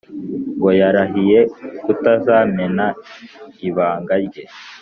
ngo yarahiye kutazamena ibanga rye